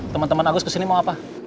teman teman agus kesini mau apa